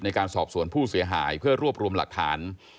ในการสอบสวนผู้เสียหายเพื่อรวบรวมหลักฐาน